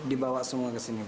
dibawa semua ke sini